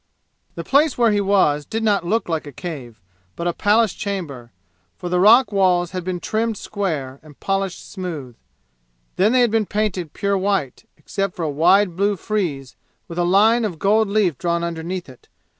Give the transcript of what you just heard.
The place where he was did not look like a cave, but a palace chamber, for the rock walls had been trimmed square and polished smooth; then they had been painted pure white, except for a wide blue frieze, with a line of gold leaf drawn underneath it.